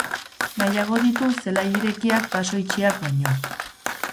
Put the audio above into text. Nahiago ditu zelai irekiak baso itxiak baino.